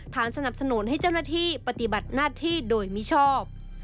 สนับสนุนให้เจ้าหน้าที่ปฏิบัติหน้าที่โดยมิชอบ